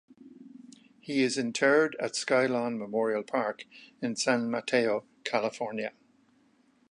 He is interred at Skylawn Memorial Park in San Mateo, California.